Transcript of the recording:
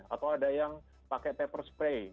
atau ada yang pakai pepper spray